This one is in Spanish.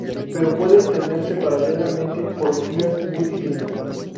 Pero puede entenderse paralelamente por vías muy distintas.